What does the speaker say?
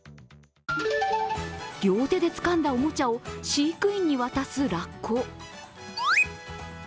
両手でつかんだおもちゃを飼育員に渡すラッコ。